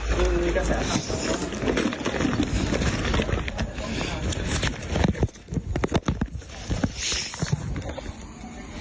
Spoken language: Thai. เลย